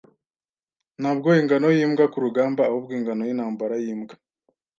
Ntabwo ingano yimbwa kurugamba, ahubwo ingano yintambara yimbwa.